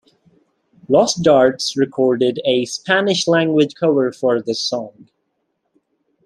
Los Darts recorded a Spanish-language cover for this song.